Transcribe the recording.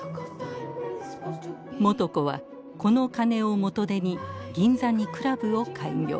元子はこの金を元手に銀座にクラブを開業。